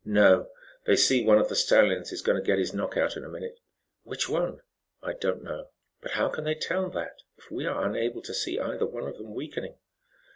"No. They see one of the stallions is going to get his knock out in a minute." "Which one?" "I don't know." "But how can they tell that, if we are unable to see either one of them weakening?"